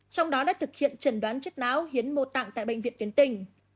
trong đó đã thực hiện trần đoán chết náo hiến mô tạng tại bệnh viện tiến tình